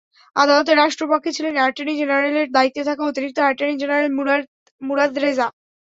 আদালতে রাষ্ট্রপক্ষে ছিলেন অ্যাটর্নি জেনারেলের দায়িত্বে থাকা অতিরিক্ত অ্যাটর্নি জেনারেল মুরাদ রেজা।